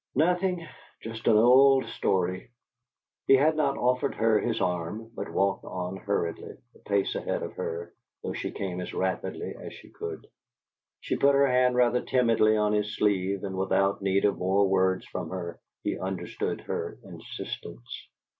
"Nothing just an old story." He had not offered her his arm, but walked on hurriedly, a pace ahead of her, though she came as rapidly as she could. She put her hand rather timidly on his sleeve, and without need of more words from her he understood her insistence.